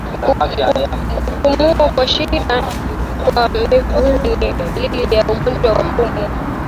Kupumua kwa shida kwa mfugo ni dalili ya ugonjwa wa pumu